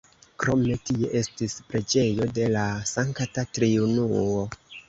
Krome tie estis preĝejo de la Sankta Triunuo.